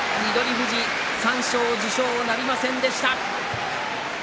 富士は三賞受賞はなりませんでした。